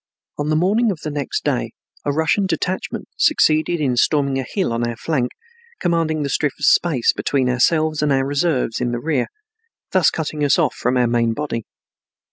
On the morning of the next day a Russian detachment succeeded in storming a hill on our flank, commanding the strip of space between ourselves and our reserves in the rear, thus cutting us off from our main body.